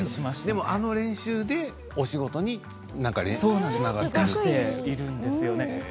あの練習でお仕事につながっているんですね。